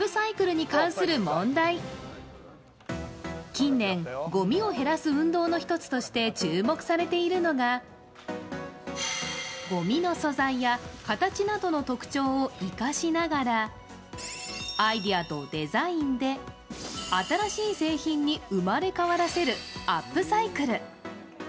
近年、ごみを減らす運動の１つとして注目されているのがごみの素材や形などの特徴を生かしながらアイデアとデザインで新しい製品に生まれ変わらせるアップサイクル。